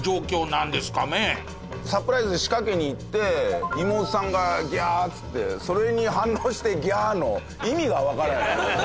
サプライズ仕掛けに行って妹さんが「ギャーッ！」っつってそれに反応して「ギャーッ！」の意味がわからないよね。